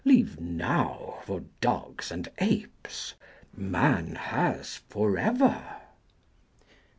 Leave Now for dogs and apes! Man has Forever."